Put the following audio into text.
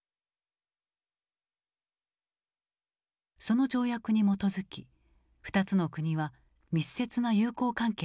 その条約に基づき２つの国は密接な友好関係にあった。